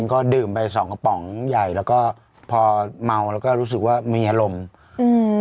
ก็ดื่มไปสองกระป๋องใหญ่แล้วก็พอเมาแล้วก็รู้สึกว่ามีอารมณ์อืม